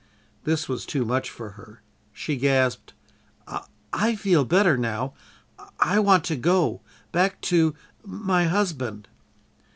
This was too much for her. She gasped: "I feel better now. I want to go back to my husband!"